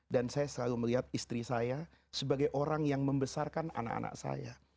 dan saya selalu melihat istri saya sebagai orang yang membesarkan anak anak saya